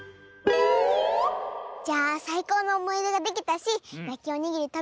じゃあさいこうのおもいでができたしやきおにぎりたべたからかえろう。